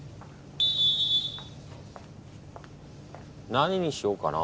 何にしようかな。